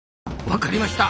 分かりました。